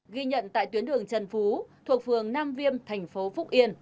ghi nhận tại tuyến đường trần phú thuộc phường nam viêm thành phố phúc yên